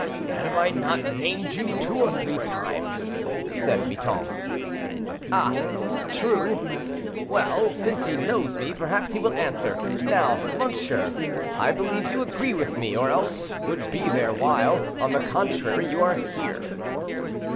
"Have I not named you two or three times?" said Miton. "Ah! true. Well, since he knows me, perhaps he will answer. Now, monsieur, I believe you agree with me, or else would be there, while, on the contrary, you are here."